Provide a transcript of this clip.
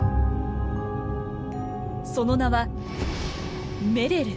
その名は「メレル」。